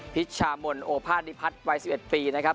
พิชามนโอภาษณิพัฒน์วัย๑๑ปีนะครับ